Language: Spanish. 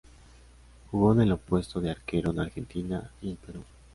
Jugó en el puesto de arquero en Argentina y el Perú.